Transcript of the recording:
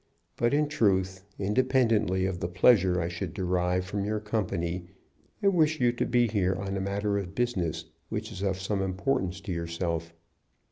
But in truth, independently of the pleasure I should derive from your company, I wish you to be here on a matter of business which is of some importance to yourself.